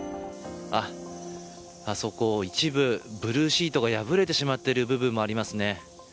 あそこ、一部ブルーシートが破れてしまっている部分もありますね。